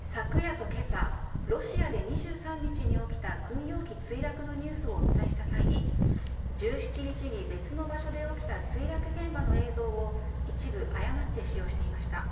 昨夜とけさ、ロシアで２３日に起きた軍用機墜落のニュースをお伝えした際に、１７日に別の場所で起きた墜落現場の映像を一部誤って使用していました。